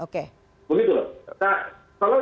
begitu loh kalau